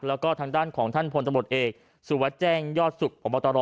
แล้วก็ทางด้านของท่านพลตมติเอกสุวแจ้งยอดสุขอบตร